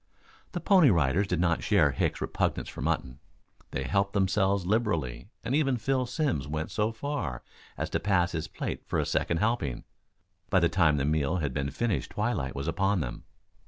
The Pony Riders did not share Hicks's repugnance to mutton. They helped themselves liberally, and even Phil Simms went so far as to pass his plate for a second helping. By the time the meal had been finished twilight was upon them.